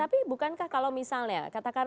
tapi bukankah kalau misalnya